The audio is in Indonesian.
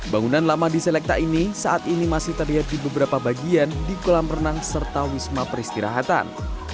bangunan lama di selekta ini saat ini masih terlihat di beberapa bagian di kolam renang serta wisma peristirahatan